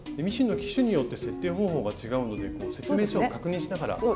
ミシンの機種によって設定方法が違うので説明書を確認しながら。